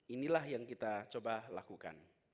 inilah yang kita coba lakukan